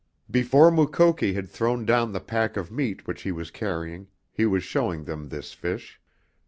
Before Mukoki had thrown down the pack of meat which he was carrying he was showing them this fish.